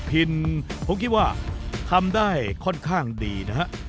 พินผมคิดว่าทำได้ค่อนข้างดีนะฮะ